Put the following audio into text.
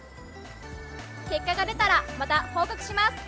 結果が出たらまた報告します！